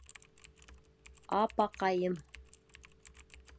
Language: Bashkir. Апаҡайым!